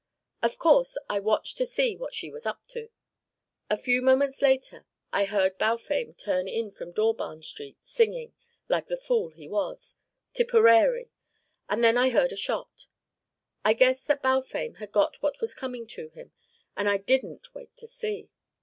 Of course I watched to see what she was up to. A few moments later I heard Balfame turn in from Dawbarn Street, singing, like the fool he was, 'Tipperary,' and then I heard a shot. I guessed that Balfame had got what was coming to him, and I didn't wait to see.